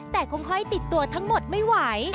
แต่คงห้อยติดตัวทั้งหมดไม่ไหว